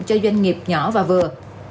cho doanh nghiệp nhỏ và vừa